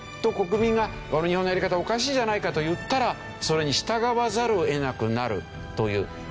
国民がこの日本のやり方おかしいじゃないかと言ったらそれに従わざるを得なくなるという。